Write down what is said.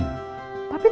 nggak nunggu amin